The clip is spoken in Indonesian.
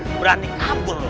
berani kabur lu